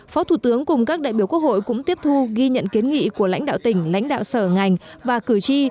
phó thủ tướng cùng các đại biểu quốc hội cũng tiếp thu ghi nhận kiến nghị của lãnh đạo tỉnh lãnh đạo sở ngành và cử tri